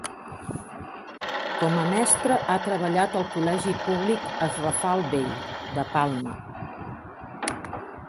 Com a mestre ha treballat al Col·legi Públic Es Rafal Vell, de Palma.